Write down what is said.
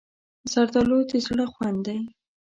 زردالو د زړه خوند دی.